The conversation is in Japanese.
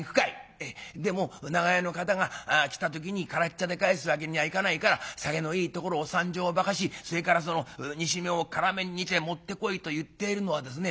「ええでも『長屋の方が来た時に空茶で帰すわけにはいかないから酒のいいところを３升ばかしそれからその煮しめを辛めに煮て持ってこい』と言っているのはですね